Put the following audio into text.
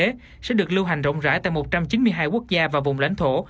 bộ tem này sẽ được lưu hành rộng rãi tại một trăm chín mươi hai quốc gia và vùng lãnh thổ